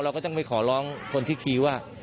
เราก็ต้องไปขอล้องคนพี่ครีว่า